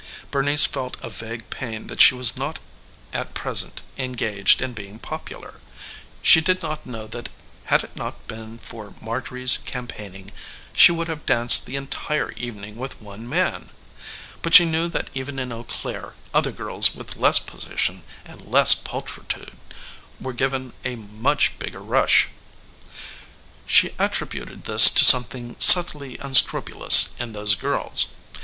Bernice felt a vague pain that she was not at present engaged in being popular. She did not know that had it not been for Marjorie's campaigning she would have danced the entire evening with one man; but she knew that even in Eau Claire other girls with less position and less pulchritude were given a much bigger rush. She attributed this to something subtly unscrupulous in those girls.